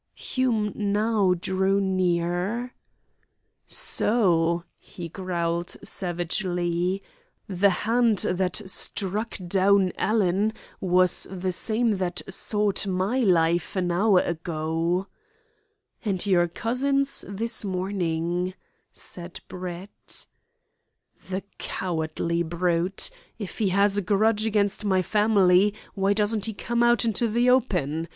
Hume now drew near. "So," he growled savagely, "the hand that struck down Alan was the same that sought my life an hour ago!" "And your cousin's this morning," said Brett "The cowardly brute! If he has a grudge against my family, why doesn't he come out into the open?